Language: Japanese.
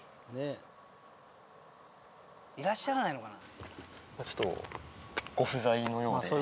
いらっしゃらないのかな。